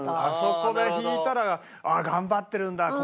あそこで弾いたら「頑張ってるんだ